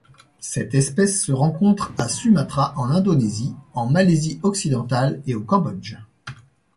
Cette espèce se rencontre à Sumatra en Indonésie, en Malaisie occidentale et au Cambodge.